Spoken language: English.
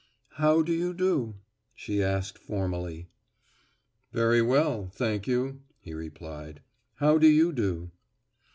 "How do you do," she asked formally. "Very well, thank you," he replied. "How do you do?"